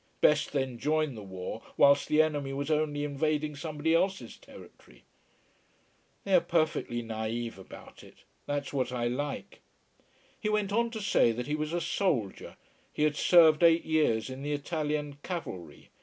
Best then join the war whilst the enemy was only invading somebody else's territory. They are perfectly naïve about it. That's what I like. He went on to say that he was a soldier: he had served eight years in the Italian cavalry.